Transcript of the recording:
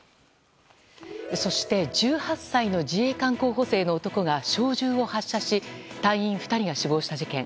そして１８歳の自衛官候補生の男が小銃を発射し隊員２人が死亡した事件。